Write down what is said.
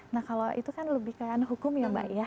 nah kalau itu kan lebih ke hukum ya mbak ya